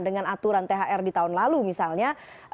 dengan aturan thr di tahun lalu misalnya